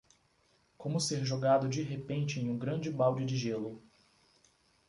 Como ser jogado de repente em um grande balde de gelo